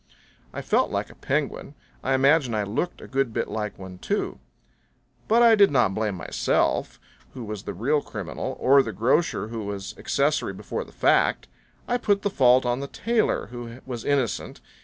I felt like a penguin. I imagine I looked a good bit like one too. But I did not blame myself, who was the real criminal, or the grocer who was accessory before the fact. I put the fault on the tailor, who was innocent.